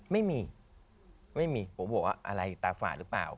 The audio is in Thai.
ไม่มีไม่มีโหโหอะไรตาฝาดหรือเปล่า